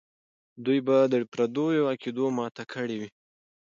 دوی به د پردیو عقیده ماته کړې وي.